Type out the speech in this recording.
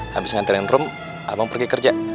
habis ngantarin rum abang pergi kerja